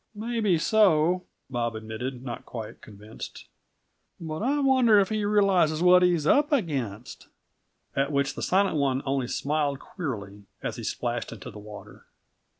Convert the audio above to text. "Maybe so," Bob admitted, not quite convinced; "but I wonder if he realizes what he's up against." At which the Silent One only smiled queerly as he splashed into the water.